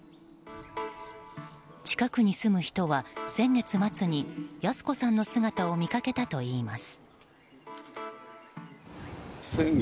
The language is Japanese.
近くに住む人は先月末に泰子さんの姿を見かけたといいます。